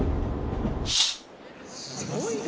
すごいね。